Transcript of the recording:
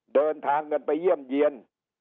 เดินทางกันไปเยี่ยมเยี่ยน